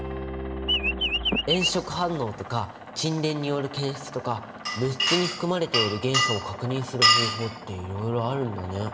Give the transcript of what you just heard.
炎色反応とか沈殿による検出とか物質に含まれている元素を確認する方法っていろいろあるんだね。